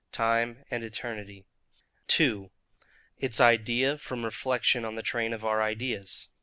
TIME and ETERNITY. 2. Its Idea from Reflection on the Train of our Ideas.